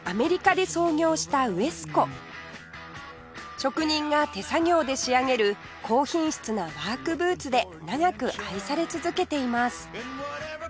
職人が手作業で仕上げる高品質なワークブーツで長く愛され続けています